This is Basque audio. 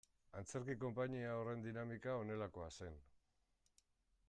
Antzerki konpainia horren dinamika honelakoa zen.